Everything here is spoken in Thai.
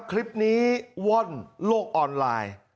คลิปนี้ว่อนโลกออนไลน์